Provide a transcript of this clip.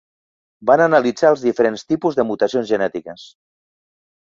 Van analitzar els diferents tipus de mutacions genètiques.